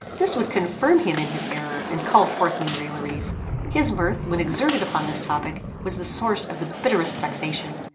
This would confirm him in his error, and call forth new railleries. His mirth, when exerted upon this topic, was the source of the bitterest vexation.